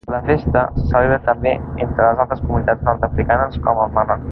La festa se celebra també entre les altres comunitats nord-africanes, com al Marroc.